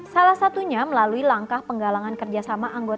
salah satunya melalui langkah penggalangan kerjasama anggota j dua puluh